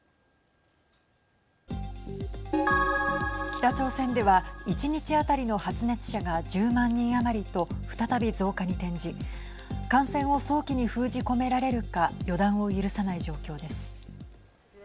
北朝鮮では１日当たりの発熱者が１０万人余りと再び増加に転じ感染を早期に封じ込められるか予断を許さない状況です。